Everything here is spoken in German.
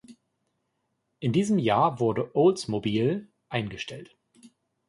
In diesem Jahr wurde Oldsmobile eingestellt.